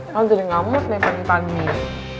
kamu jadi ngamut nih panggilan ini